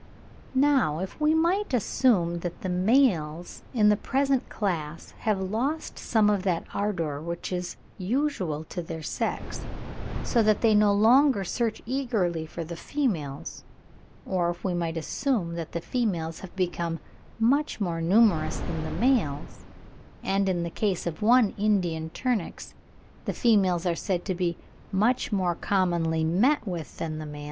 Now if we might assume that the males in the present class have lost some of that ardour which is usual to their sex, so that they no longer search eagerly for the females; or, if we might assume that the females have become much more numerous than the males—and in the case of one Indian Turnix the females are said to be "much more commonly met with than the males" (26.